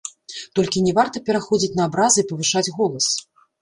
Толькі не варта пераходзіць на абразы і павышаць голас.